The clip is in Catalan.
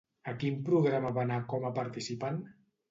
A quin programa va anar com a participant?